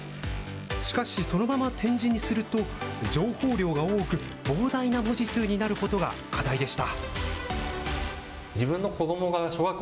しかし、そのまま点字にすると、情報量が多く、ぼう大な文字数になることが課題でした。